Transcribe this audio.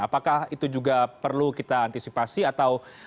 apakah itu juga perlu kita antisipasi atau